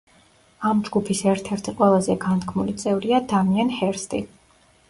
ამ ჯგუფის ერთ-ერთი ყველაზე განთქმული წევრია დამიენ ჰერსტი.